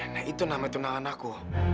nah itu nama tunangan aku